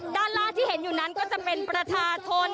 ด้านล่างที่เห็นอยู่นั้นก็จะเป็นประชาชน